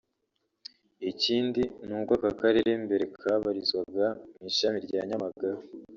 Ikindi ni uko aka karere mbere kabarizwaga mu ishami rya Nyamagabe